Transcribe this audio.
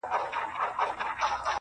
درلېږل چي مي نظمونه هغه نه یم -